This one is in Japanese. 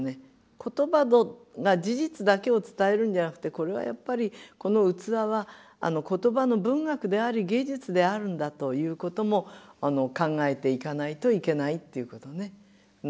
言葉が事実だけを伝えるんじゃなくてこれはやっぱりこの器は言葉の文学であり芸術であるんだということも考えていかないといけないっていうことね。